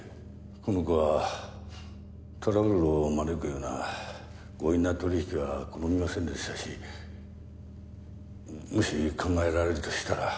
この子はトラブルを招くような強引な取引は好みませんでしたしもし考えられるとしたら。